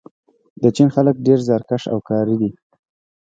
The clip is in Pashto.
د چین خلک ډېر زیارکښ او کاري دي.